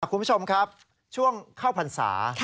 คุณผู้ชมครับช่วงเข้าพรรษา